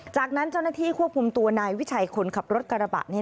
จากนั้นเจ้าหน้าที่ควบคุมตัวนายวิชัยคนขับรถกระบะนี้